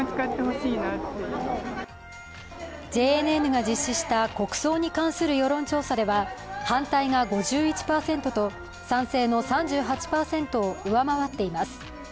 ＪＮＮが実施した国葬に関する世論調査では反対が５１％と賛成の３８％を上回っています。